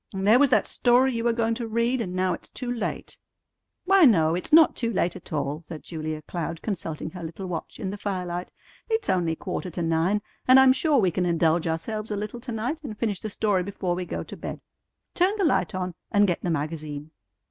And there was that story you were going to read, and now it's too late!" "Why, no; it's not too late at all," said Julia Cloud, consulting her little watch in the firelight. "It's only quarter to nine, and I'm sure we can indulge ourselves a little to night, and finish the story before we go to bed. Turn the light on, and get the magazine."